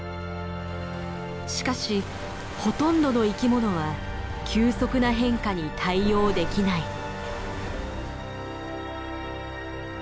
しかしほとんどの生きものは急速な変化に対応できない。